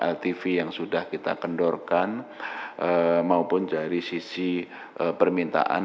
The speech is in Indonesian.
ltv yang sudah kita kendorkan maupun dari sisi permintaan